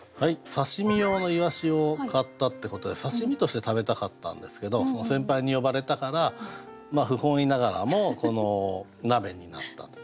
刺身用の鰯を買ったってことで刺身として食べたかったんですけど先輩に呼ばれたから不本意ながらもこの鍋になったと。